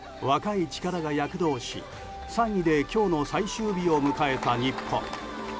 若い力が躍動し、３位で今日の最終日を迎えた日本。